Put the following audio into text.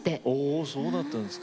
おそうだったんですか。